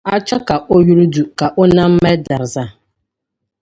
a chɛ ka o yuli du ka o nam mali dariza.